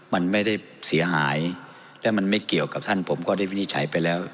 มันไม่ได้เสียหายและมันไม่เกี่ยวกับท่านผมก็ได้วินิจฉัยไปแล้ว